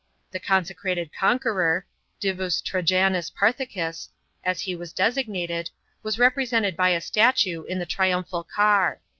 The consecrati d conqueror, Divus Trajanus Parthicus, as he was designat< d, was reprtsented by a statue in the triumphal car.